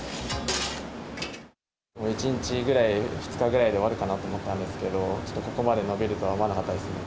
１日、２日ぐらいで終わるかなと思ったんですけど、ちょっとここまで延びるとは思わなかったですね。